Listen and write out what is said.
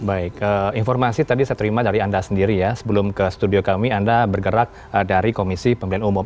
baik informasi tadi saya terima dari anda sendiri ya sebelum ke studio kami anda bergerak dari komisi pemilihan umum